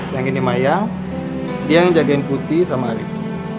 yang ini maya dia yang jagain putih sama arief